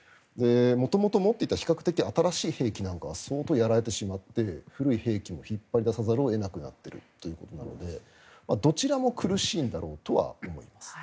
元々持っていた比較的新しい兵器なんかは相当やられてしまって古い兵器も引っ張り出さざるを得なくなっているのでどちらも苦しいんだろうとは思います。